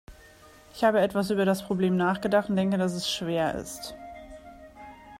Ich habe etwas über das Problem nachgedacht und denke, dass es schwer ist.